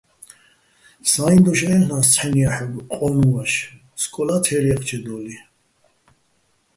სა́იჼ დოშ აჲლ'ნა́ს ცჰ̦აჲნ ჲაჰ̦ოგო̆ ყო́ნუჼ ვაშ, სკოლა́ ცე́რ ჲე́ჴჩედო́ლიჼ.